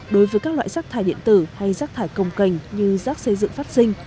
đối với các loại rac thải điện tử hay rac thải công cành như rac xây dựng phát sinh